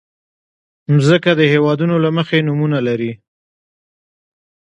مځکه د هېوادونو له مخې نومونه لري.